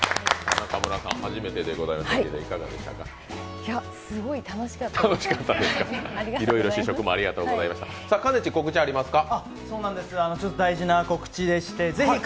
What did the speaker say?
中村さん、初めてでございましたけど、いかがでしたか？